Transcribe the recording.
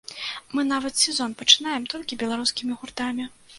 Мы нават сезон пачынаем толькі беларускімі гуртамі.